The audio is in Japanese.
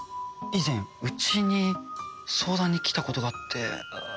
以前うちに相談に来たことがあって。